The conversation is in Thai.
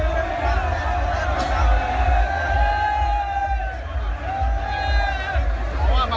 ส่วนใหญ่เลยครับ